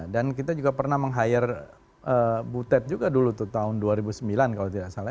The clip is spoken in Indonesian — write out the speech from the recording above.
dan kita juga pernah meng hire budet juga dulu tuh tahun dua ribu sembilan kalau tidak salah